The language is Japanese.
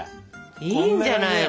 いいんじゃないの？